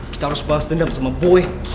kita harus balas dendam sama boy